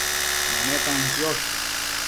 menetan quiosh